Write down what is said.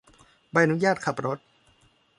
ใบอนุญาตขับรถ